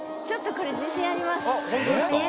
ちょっとこれ自信あります。